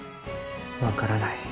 分からない。